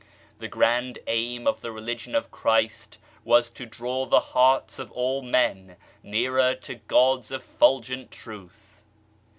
The grand aim of the Religion of Christ was to draw the hearts of all men nearer to God's effulgent Truth.